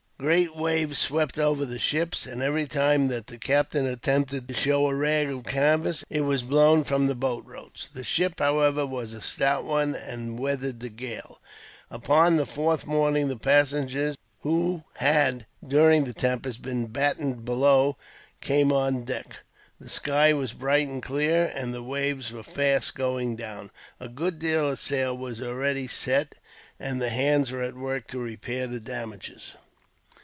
Great waves swept over the ship, and every time that the captain attempted to show a rag of canvas, it was blown from the bolt ropes. The ship, however, was a stout one, and weathered the gale. Upon the fourth morning the passengers, who had, during the tempest, been battened below, came on deck. The sky was bright and clear, and the waves were fast going down. A good deal of sail was already set, and the hands were at work to repair damages.